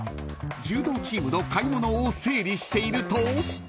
［柔道チームの買い物を整理していると］